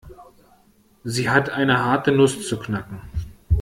Sie hat eine harte Nuss zu knacken.